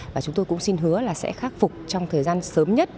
và chúng tôi cũng xin hứa là sẽ khắc phục trong thời gian sớm nhất